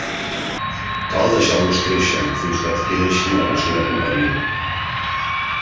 Cal deixar-los créixer fins que adquireixin la mesura convenient.